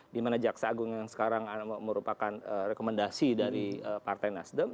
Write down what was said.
dimana jaksa agung yang sekarang merupakan rekomendasi dari partai nasdem